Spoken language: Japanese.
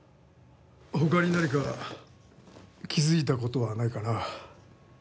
他に何か気づいた事はないかな？